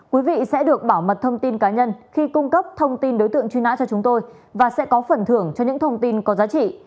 quý vị sẽ được bảo mật thông tin cá nhân khi cung cấp thông tin đối tượng truy nã cho chúng tôi và sẽ có phần thưởng cho những thông tin có giá trị